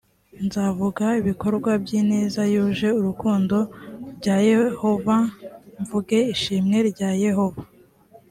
nzavuga ibikorwa by ineza yuje urukundo bya yehova mvuge ishimwe rya yehova